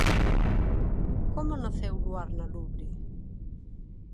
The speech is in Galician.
Como naceu Luar na Lubre?